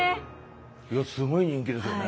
いやすごい人気ですよね。